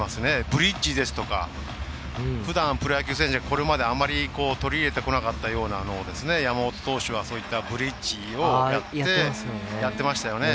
ブリッジですとかふだん、プロ野球選手がこれまであまり取り入れてこなかったようなもの山本投手はブリッジをやってましたよね。